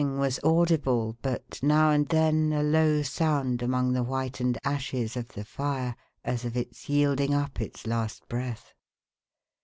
i , audible but, now and then, a low sound among the whitened ashes of the fire, as of its yielding up its last breath.